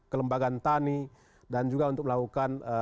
kelembagaan tani dan juga untuk melakukan